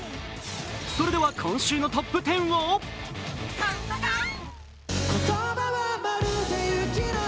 それでは今週のトップ１０をカウントダウン。